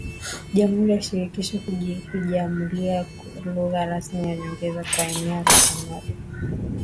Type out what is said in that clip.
Jamhuri za shirikisho kujiamulia lugha rasmi ya nyongeza kwa eneo lao pamoja